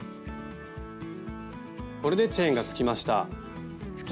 これでチェーンがつきました。